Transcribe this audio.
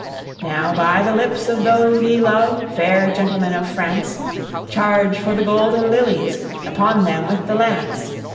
Now by the lips of those ye love, fair gentlemen of France, Charge for the golden lilies, upon them with the lance.